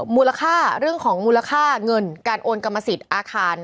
มูลค่าเรื่องของมูลค่าเงินการโอนกรรมสิทธิ์อาคาร